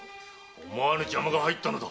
思わぬ邪魔が入ったのだ。